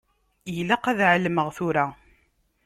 Ilaq ad εelmeɣ tura.